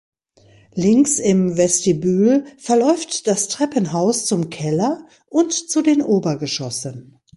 Links im Vestibül verläuft das Treppenhaus zum Keller und zu den Obergeschossen.